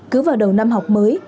cứ vào đầu năm học mới